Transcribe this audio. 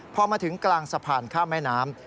พอมาถึงกลางสะพานข้ามแม่น้ำ